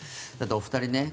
お二人